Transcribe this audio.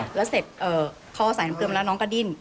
แล้วเสร็จพอใส่น้ำเกลือมาแล้วน้องก็ดิ้น